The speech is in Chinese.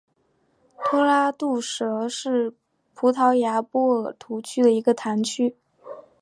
托拉杜什是葡萄牙波尔图区的一个堂区。